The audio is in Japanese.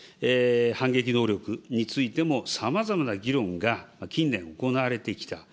反撃能力についても、さまざまな議論が近年、行われてきた。